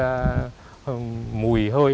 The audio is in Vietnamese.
mùi hơn là sát người